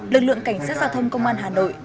lực lượng cảnh sát giao thông công an hà nội